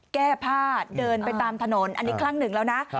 แก้ผ้าเดินไปตามถนนอันนี้ครั้งหนึ่งแล้วนะ